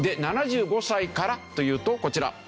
７５歳からというとこちら。